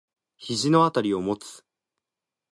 肘のあたりを持つ。